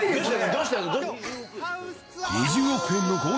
どうしたの？